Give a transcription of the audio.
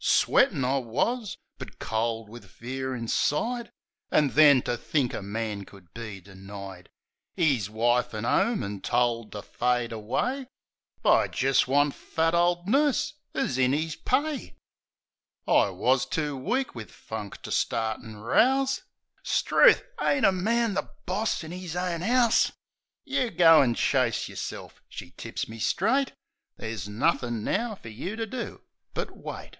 Sweatin' I was; but cold wiv fear inside — An' then, to think a man could be denied 'Is wife an' 'ome an' told to fade away By jist one fat ole nurse 'oo's in ' is pay I 104 THE SENTIMENTAL BLOKE I wus too weak wiv funk to start an' rouse. 'Struth! Ain't a man the boss in 'is own 'ouse? "You go an' chase yerself !" she tips me straight. "Ther's nothin' now fer you to do but — wait."